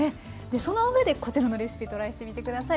その上でこちらのレシピトライしてみて下さい。